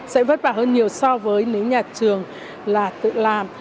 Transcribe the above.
sẽ vất vả hơn nhiều so với nếu nhà trường là tự làm